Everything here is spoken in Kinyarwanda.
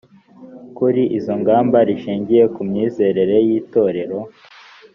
kuri izo ngamba rishingiye ku myizerere y itorero